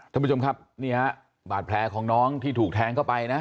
ท่านผู้ชมครับนี่ฮะบาดแผลของน้องที่ถูกแทงเข้าไปนะ